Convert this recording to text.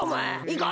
いいか？